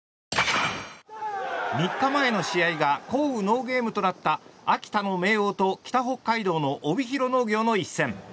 ３日前の試合が降雨ノーゲームとなった秋田の明桜と北北海道の帯広農業の一戦。